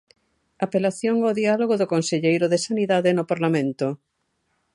Apelación ao diálogo do conselleiro de Sanidade no Parlamento.